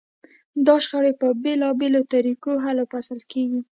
دا شخړې په بېلابېلو طریقو حل و فصل کېږي.